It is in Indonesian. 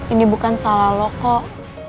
ini bukan salah lo kok